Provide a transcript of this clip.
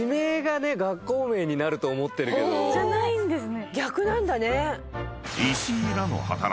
じゃないんですね。